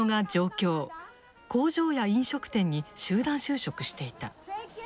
工場や飲食店に集団就職していた。